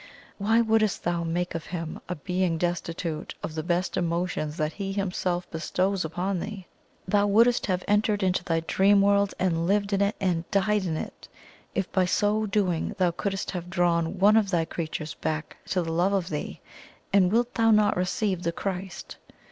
Why wouldst thou make of Him a being destitute of the best emotions that He Himself bestows upon thee? THOU wouldst have entered into thy dream world and lived in it and died in it, if by so doing thou couldst have drawn one of thy creatures back to the love of thee; and wilt thou not receive the Christ?"